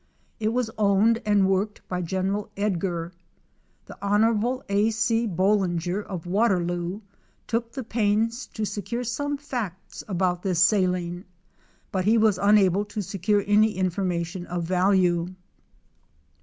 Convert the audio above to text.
It was owned and worked by Gen. Edgar. The Hon. A. 0, Bolinger, of 25b Waterloo, took the pains to secure some facts about this saline, but he was unable to secure any information of value.